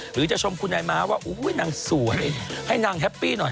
หรือจะชมคุณนายม้าว่านางสวยให้นางแฮปปี้หน่อย